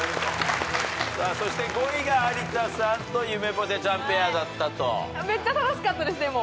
そして５位が有田さんとゆめぽてちゃんペアだったと。めっちゃ楽しかったですでも。